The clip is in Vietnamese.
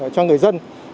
cho người dân